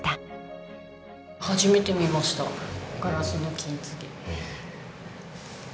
初めて見ましたガラスの金継ぎ。